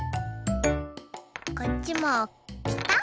こっちもぴた。